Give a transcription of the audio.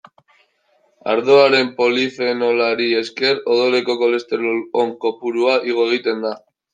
Ardoaren polifenolari esker odoleko kolesterol on kopurua igo egiten da.